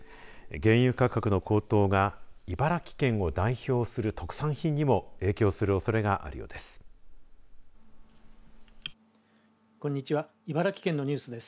原油価格の高騰が茨城県を代表する特産品にも影響するおそれがあるようです。